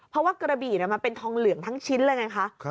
เพราะว่ากระบี่มันเป็นทองเหลืองทั้งชิ้นเลยไงคะ